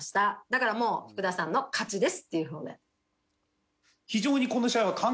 だからもう福田さんの勝ちですっていう方で。